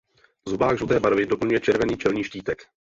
Zobák žluté barvy doplňuje červený čelní štítek.